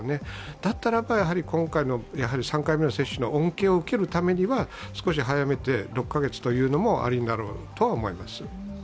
だったらば、今回の３回目の接種の恩恵を受けるためには少し早めて６カ月というのもありだろうと思います。